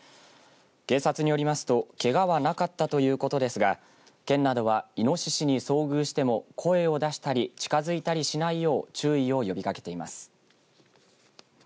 警察によりますとけがはなかったということですが県などはいのししに遭遇しても声を出したり近づいたりしないよう注意を呼びかけています。